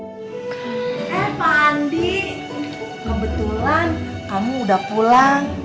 eh fandi kebetulan kamu udah pulang